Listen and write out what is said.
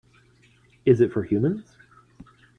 Is it for humans?